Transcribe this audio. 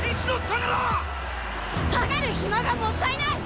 退がる暇がもったいない！